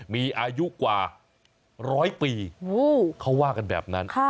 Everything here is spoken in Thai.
มีอายุกว่าร้อยปีเขาว่ากันแบบนั้น